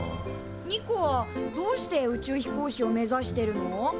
ニコはどうして宇宙飛行士を目指してるの？